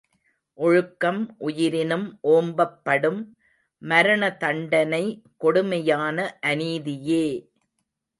ஒழுக்கம் உயிரினும் ஓம்பப்படும் மரணதண்டனை கொடுமையான அநீதியே!